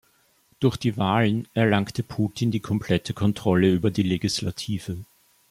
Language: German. Durch die Wahlen erlangte Putin die komplette Kontrolle über die Legislative.